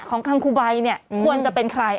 ของคังคุบัยเนี่ยควรจะเป็นใคร